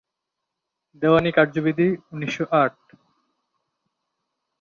সূর্যের আলো, জল, বায়ু ইত্যাদি আবহাওয়ার উপাদানগুলো এই পরিবর্তনে কার্যকরী ভুমিকা পালন করে।